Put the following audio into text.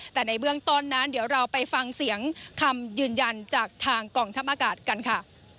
แต่ในเบื้องต้นนั้นเดี๋ยวเราไปฟังเสียงคำยืนยันจากทางกองทัพอากาศกันค่ะ